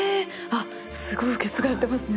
すごい、受け継がれてますね。